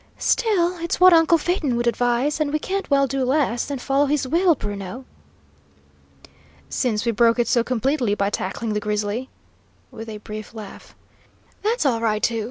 "Still, it's what uncle Phaeton would advise, and we can't well do less than follow his will, Bruno." "Since we broke it so completely by tackling the grizzly," with a brief laugh. "That's all right, too.